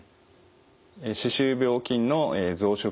歯周病菌の増殖